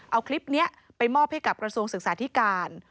เอาคลิปนี้ไปมอบให้กับกระทรวงศึกษาธิการ